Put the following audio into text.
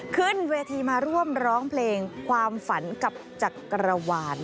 ขึ้นเวทีมาร่วมร้องเพลงความฝันกับจักรวาล